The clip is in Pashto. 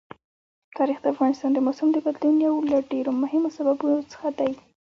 تاریخ د افغانستان د موسم د بدلون یو له ډېرو مهمو سببونو څخه کېږي.